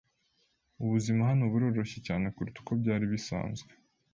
Ubuzima hano buroroshye cyane kuruta uko byari bisanzwe.